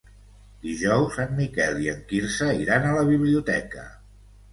Dijous en Miquel i en Quirze iran a la biblioteca.